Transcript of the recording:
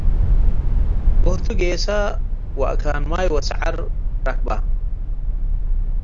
ወህቱ ጌሰ ወአካን ማይ ወሰዐር ረክበ።